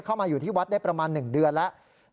เข้ามาอยู่ที่วัดได้ประมาณ๑เดือนแล้ว